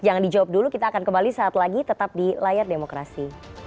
jangan dijawab dulu kita akan kembali saat lagi tetap di layar demokrasi